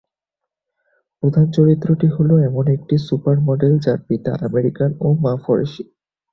প্রধান চরিত্রটি হল এমন একটি সুপার মডেল যার পিতা আমেরিকান এবং মা ফরাসী।